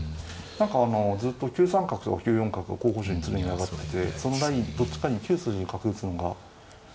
何かずっと９三角とか９四角が候補手に常に挙がっててそのラインどっちかに９筋に角打つのが予想手の中では